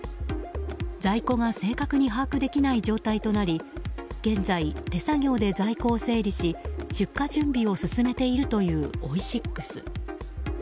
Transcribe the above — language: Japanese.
在庫が正確に把握できない状態となり現在、手作業で在庫を整理し出荷準備を進めているというオイシックス。